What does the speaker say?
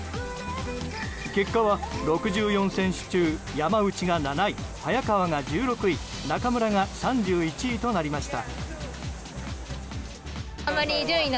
結果は６４選手中山内が７位、早川が１６位中村が３１位となりました。